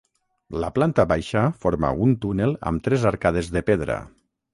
La planta baixa forma un túnel amb tres arcades de pedra.